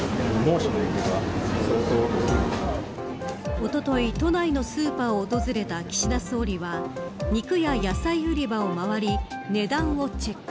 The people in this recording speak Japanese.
おととい、都内のスーパーを訪れた岸田総理は肉や野菜売り場を回り値段をチェック。